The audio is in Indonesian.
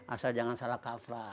asal jangan salah kafra